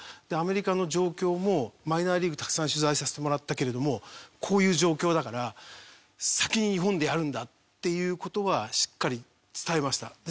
でアメリカの状況もマイナーリーグたくさん取材させてもらったけれどもこういう状況だから先に日本でやるんだっていう事はしっかり伝えました。